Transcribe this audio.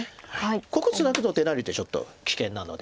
ここツナぐと出られてちょっと危険なので。